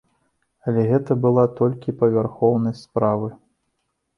Але гэта была толькі павярхоўнасць справы.